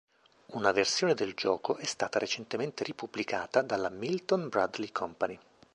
Una versione del gioco è stata recentemente ripubblicata dalla milton Bradley Company.